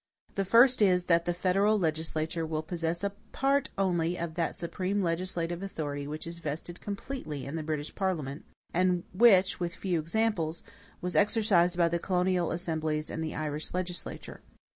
The first is, that the federal legislature will possess a part only of that supreme legislative authority which is vested completely in the British Parliament; and which, with a few exceptions, was exercised by the colonial assemblies and the Irish legislature.